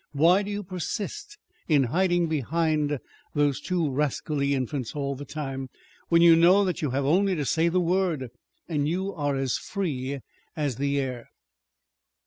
Why do you persist in hiding behind those two rascally infants all the time, when you know that you have only to say the word, and you are as free as the air?"